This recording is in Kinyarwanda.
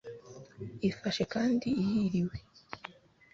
ifashe kandi ihiriwe